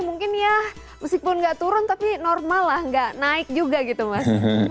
mungkin ya meskipun nggak turun tapi normal lah nggak naik juga gitu mas